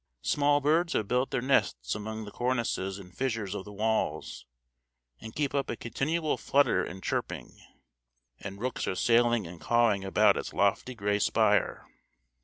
Small birds have built their nests among the cornices and fissures of the walls, and keep up a continual flutter and chirping; and rooks are sailing and cawing about its lofty gray spire.